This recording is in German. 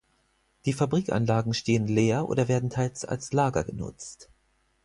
Die Fabrikanlagen stehen leer oder werden teils als Lager genutzt.